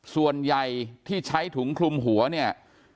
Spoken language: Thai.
ส่วนใหญ่ที่ใช้ถุงคลุมหัวเนี่ย